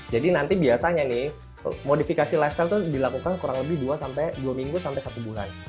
jadi nanti biasanya nih modifikasi lifestyle itu dilakukan kurang lebih dua minggu sampai satu bulan